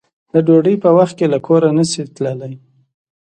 د ډوډۍ په وخت کې له کوره نشې تللی